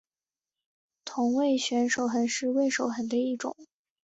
同位旋守恒是味守恒的一种。